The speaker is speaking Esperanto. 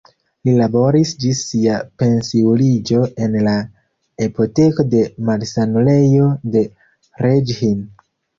Li laboris ĝis sia pensiuliĝo en la apoteko de malsanulejo de Reghin.